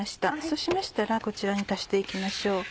そうしましたらこちらに足して行きましょう。